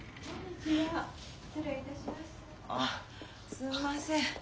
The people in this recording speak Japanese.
すんません。